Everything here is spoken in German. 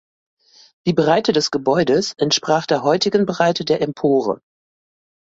Die Breite des Gebäudes entsprach der heutigen Breite der Empore.